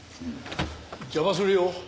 邪魔するよ。